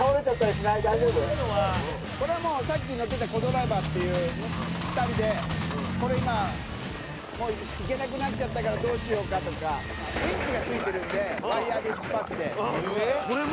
これはさっき乗ってたコ・ドライバーってのと２人で今もう行けなくなっちゃったからどうしようかとかウィンチがついてるのでワイヤで引っ張って。